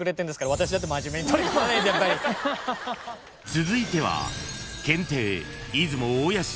［続いては］